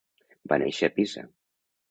Va néixer a Pisa.